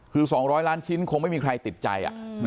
คือ๒๐๐ล้านชิ้นคงไม่มีใครติดใจ